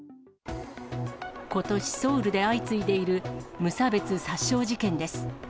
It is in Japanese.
ことし、ソウルで相次いでいる無差別殺傷事件です。